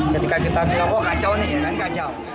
ketika kita bilang oh kacau nih kacau